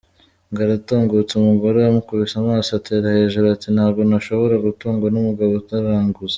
Ngara atungutse umugore umukubise amaso atera hejuru, ati “Ntabwo nashobora gutungwa n’umugabo uraraguza.